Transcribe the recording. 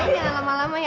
sayang jangan lama lama ya